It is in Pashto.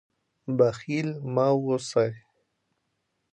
بخیل مه اوسئ.